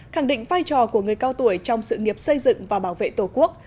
khẳng định vai trò của người cao tuổi trong sự nghiệp xây dựng và bảo vệ tổ quốc